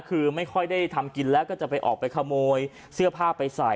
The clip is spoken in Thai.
คือไม่ค่อยได้ทำกินแล้วก็จะไปออกไปขโมยเสื้อผ้าไปใส่